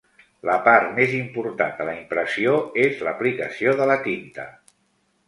La part més important de la impressió és l'aplicació de la tinta.